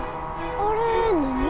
あれ何？